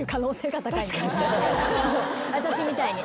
私みたいに。